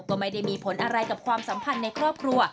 ก็ไม่ได้มีผลอะไรกับความสัมพันธ์ในครอบครัว